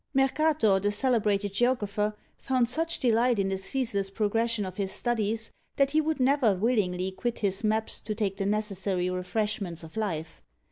Mercator, the celebrated geographer, found such delight in the ceaseless progression of his studies, that he would never willingly quit his maps to take the necessary refreshments of life.